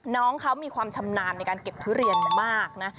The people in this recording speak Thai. น้องเขามีความชำนาญในการเก็บทุเรียนมากนะ